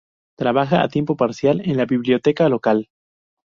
Trabaja a tiempo parcial en la biblioteca local.